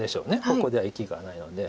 ここでは生きがないので。